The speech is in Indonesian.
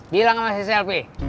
bilang sama si selvi